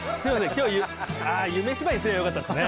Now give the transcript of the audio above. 今日は「夢芝居」にすりゃよかったですね